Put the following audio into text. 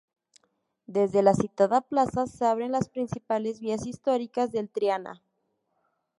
Desde la citada plaza se abren las principales vías históricas del Triana.